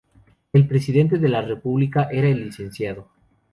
El presidente de la república era el Lic.